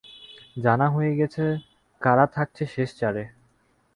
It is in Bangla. জানা হয়ে গেছে কারা থাকছে শেষ চারে।